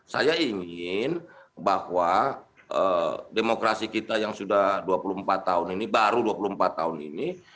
saya ingin bahwa demokrasi kita yang sudah dua puluh empat tahun ini baru dua puluh empat tahun ini